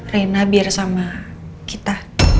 rena biar sama kita